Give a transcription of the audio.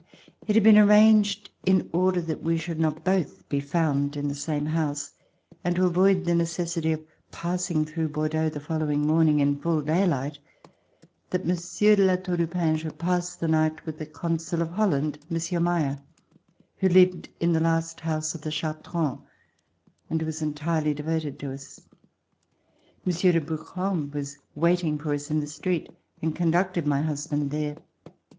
It had been arranged, in order that we should not both be found In the same house, and to avoid the necessity of passing through Bor deaux the following morning In full daylight, that Monsieur de La Tour du Pin should pass the night with the Consul of Holland, Monsieur Meyer, who lived in the last house of the Chartrons, and who was entirely devoted to us. Monsieur de Brouquens was waiting for us In the street and conducted my husband there.